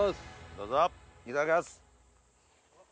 どうぞいただきます。